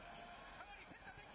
かなり競った展開。